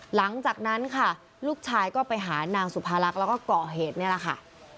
หลังจากนั้นค่ะลูกชายก็ไปหานางสุภารักษ์แล้วก็เกาะเหตุนี่แหละค่ะ